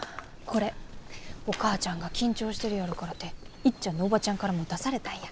これお母ちゃんが緊張してるやろからていっちゃんのおばちゃんから持たされたんや。